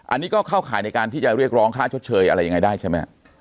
อันนี้ก็เข้าข่ายในการที่จะเรียกร้องค่าชดเชยอะไรยังไงได้ใช่ไหม